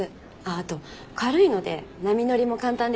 あと軽いので波乗りも簡単です。